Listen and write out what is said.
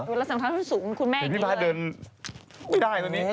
เวลาใส่ส้นสูงทุ่นแม่อยากเรียนเลย